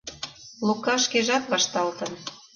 Лука шкежат вашталтын.